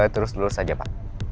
terus terus aja pa